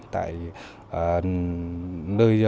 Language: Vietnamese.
tại bộ phận một cửa